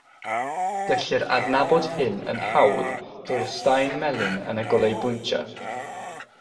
Gellir adnabod hyn yn hawdd drwy'r staen melyn yn y goleubwyntiau.